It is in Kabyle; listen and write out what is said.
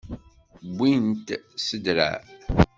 Wwin-t s ddreε.